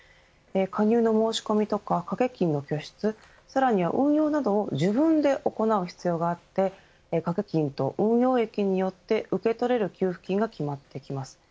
加入の申し込みとか掛け金の拠出さらには運用などを自分で行う必要があって掛け金と運用益によって受け取れる給付金が決まってきます。